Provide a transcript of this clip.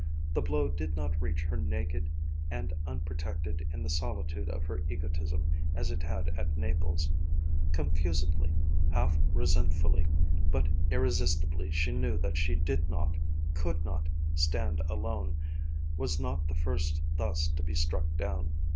The blow did not reach her naked and unprotected in the solitude of her egotism, as it had at Naples. Confusedly, half resentfully, but irresistibly she knew that she did not could not stand alone, was not the first thus to be struck down.